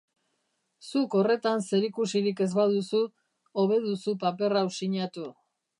Zuk horretan zerikusirik ez baduzu, hobe duzu paper hau sinatu.